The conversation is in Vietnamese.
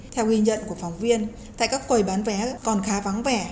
theo ghi nhận của phóng viên tại các quầy bán vé còn khá vắng vẻ